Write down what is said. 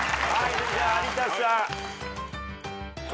じゃあ有田さん。